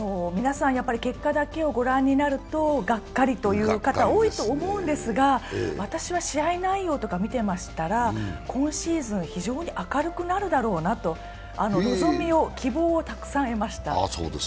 皆さん、結果だけを御覧になるとがっかりという方が多いと思うんですが、私は試合内容とか見てましたら、今シーズン非常に明るくなるだろうなと望み、希望を託されました。